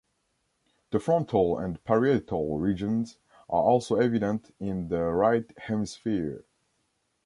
The frontal and parietal regions are also evident in the right hemisphere.